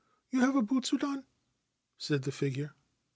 You have a butsudan ?' 2 said the figure.